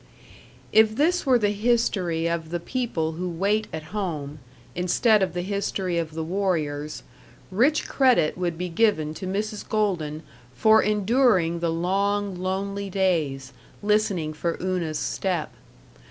If this were the history of the people who wait at home, instead of the history of the warriors, rich credit would be given to Mrs. Golden for enduring the long, lonely days, listening for Una's step.